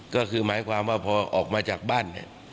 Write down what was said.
ก็คือหมายความว่าพอออกมาจากบ้านเนี่ย